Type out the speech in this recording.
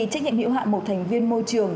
trách nhiệm hiệu hạ một thành viên môi trường